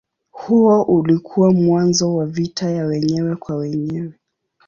Huo ulikuwa mwanzo wa vita ya wenyewe kwa wenyewe.